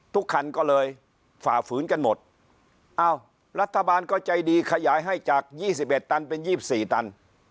ทุกคันก็เลยฝ่าฝืนกันหมดเอ้ารัฐบาลก็ใจดีขยายให้จาก๒๑ตันเป็น๒๔ตัน